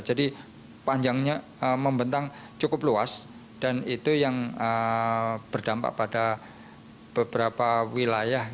panjangnya membentang cukup luas dan itu yang berdampak pada beberapa wilayah